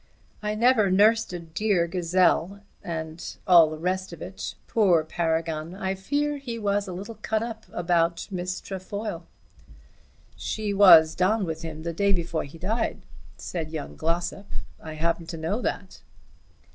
"'I never nursed a dear gazelle,' and all the rest of it. Poor Paragon! I fear he was a little cut about Miss Trefoil." "She was down with him the day before he died," said young Glossop. "I happen to know that."